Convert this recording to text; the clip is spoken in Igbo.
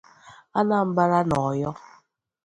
Anambra na Oyo